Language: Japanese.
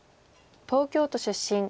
東京都出身。